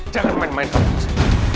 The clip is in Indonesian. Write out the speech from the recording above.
jangan main main sama emosi